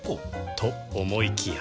と思いきや